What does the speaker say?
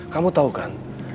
kamu tahu kan